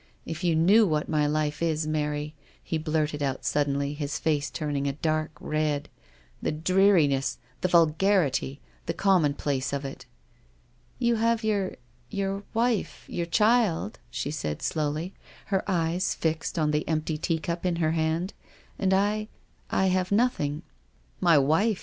If you knew what my life is, Mary," he blurted out suddenly, his face turning a dark red, " the dreariness, the vul garity, the commonplace of it." " You have your — your — wife, your child," she said slowly, her eyes fixed on the empty teacup in her hand, " and I — I have nothing." " My wife !